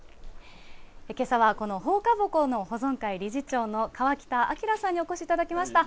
けさはこの放下鉾の保存会理事長の川北昭さんにお越しいただきました。